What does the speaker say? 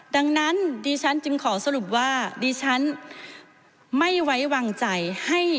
ดังนั้นดิฉันจึงขอสรุปว่าดิฉันไม่ไว้วางใจ